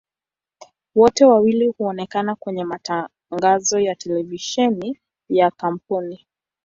Wote wawili huonekana kwenye matangazo ya televisheni ya kampuni.